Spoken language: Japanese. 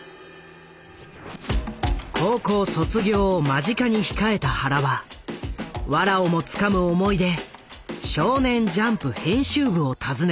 高校卒業を間近に控えた原はわらをもつかむ思いで少年ジャンプ編集部を訪ねた。